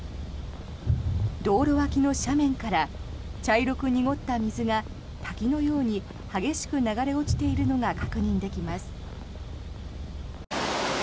道路脇の斜面から茶色く濁った水が滝のように激しく流れ落ちているのが確認できます。